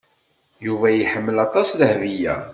Yuba iḥemmel aṭas Dahbiya.